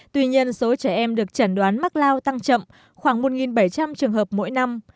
tuy nhiên số trẻ em được chẩn đoán mắc lao tăng chậm khoảng một bảy trăm linh trường hợp mỗi năm